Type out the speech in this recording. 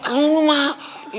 tadi dulu mak